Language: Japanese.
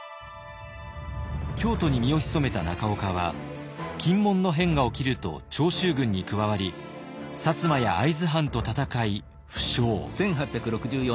京都に身を潜めた中岡は禁門の変が起きると長州軍に加わり摩や会津藩と戦い負傷。